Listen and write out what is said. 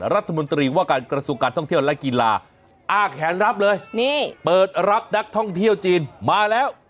รัฐมนตรีว่าการกระทรวงการท่องเที่ยวและกีฬาอ้าแขนรับเลยนี่เปิดรับนักท่องเที่ยวจีนมาแล้ว